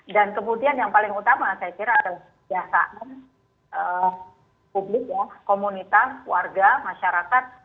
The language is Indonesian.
dan kemudian yang paling utama saya kira adalah jasaan publiknya komunitas warga masyarakat